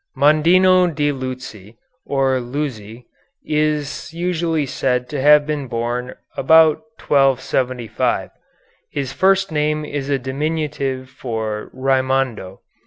Mondino di Liucci, or Luzzi, is usually said to have been born about 1275. His first name is a diminutive for Raimondo.